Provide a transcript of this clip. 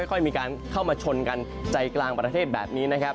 ค่อยมีการเข้ามาชนกันใจกลางประเทศแบบนี้นะครับ